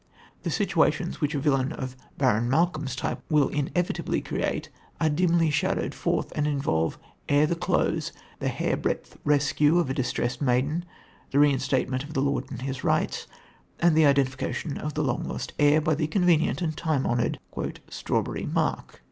The situations which a villain of Baron Malcolm's type will inevitably create are dimly shadowed forth and involve, ere the close, the hairbreadth rescue of a distressed maiden, the reinstatement of the lord in his rights, and the identification of the long lost heir by the convenient and time honoured "strawberry mark."